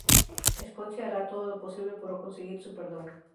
Scottie hará, todo lo posible, por conseguir su perdón.